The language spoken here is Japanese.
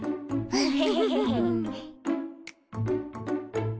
フフフフ。